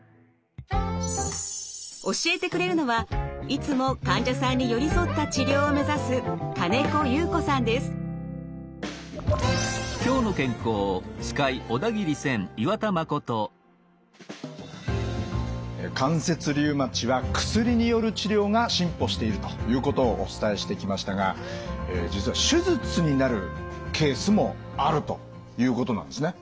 教えてくれるのはいつも患者さんに寄り添った治療を目指す関節リウマチは薬による治療が進歩しているということをお伝えしてきましたが実は手術になるケースもあるということなんですね。